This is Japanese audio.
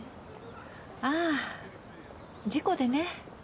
あぁ事故でね。